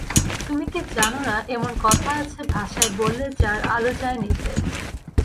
তুমি কি জান না এমন কথা আছে ভাষায় বললে যার আলো যায় নিভে।